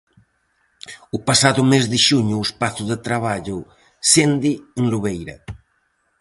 O pasado mes de xuño o espazo de traballo Sende en Lobeira.